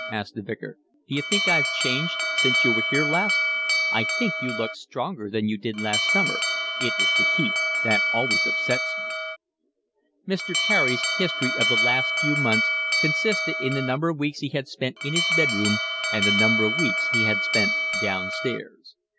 asked the Vicar. "D'you think I've changed since you were here last?" "I think you look stronger than you did last summer." "It was the heat. That always upsets me." Mr. Carey's history of the last few months consisted in the number of weeks he had spent in his bed room and the number of weeks he had spent downstairs.